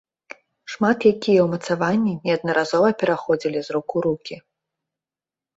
Шмат якія ўмацаванні неаднаразова пераходзілі з рук у рукі.